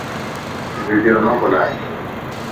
ويڊيو نه بنائي